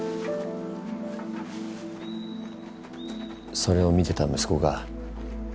それを見てた息子が。